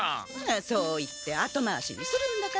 あそう言って後回しにするんだから。